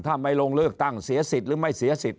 ถ้าไม่ลงเลือกตั้งเสียสิทธิ์หรือไม่เสียสิทธิ